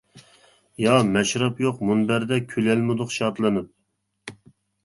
يا مەشرەپ يوق مۇنبەردە، كۈلەلمىدۇق شادلىنىپ.